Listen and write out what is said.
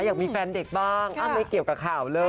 อยากมีแฟนเด็กบ้างไม่เกี่ยวกับข่าวเลย